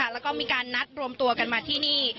แล้วก็มีการนัดรวมตัวกันมาที่นี่